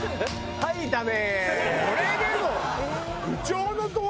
はいダメ！